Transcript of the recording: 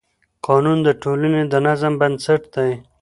قانون د ټولنې د نظم بنسټ دی.